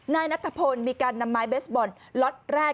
นายนัทพลมีการนำไม้เบสบอลล็อตแรก